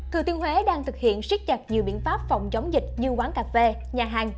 tp huế đang thực hiện siết chặt nhiều biện pháp phòng chống dịch như quán cà phê nhà hàng